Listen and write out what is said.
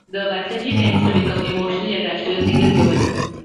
The Basenji tends to become emotionally attached to a single human.